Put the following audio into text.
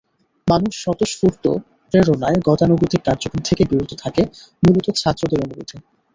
মানুষ স্বতঃস্ফূর্ত প্রেরণায় গতানুগতিক কার্যক্রম থেকে বিরত থাকে, মূলত ছাত্রদের অনুরোধে।